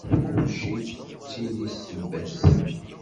Kulci tettili ssebba-s.